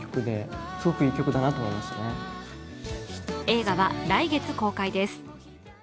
映画は来月公開です。